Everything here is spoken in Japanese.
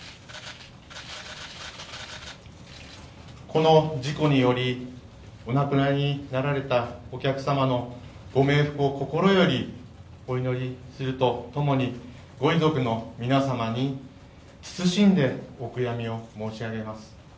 この事故によりお亡くなりになられたお客様のご冥福を心よりお祈りするとともにご遺族の皆様に謹んでお悔やみを申し上げます。